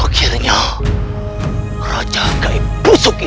baca kain busuk ini